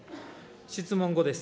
質問５です。